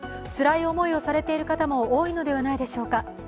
つらい思いをされている方も多いのではないでしょうか。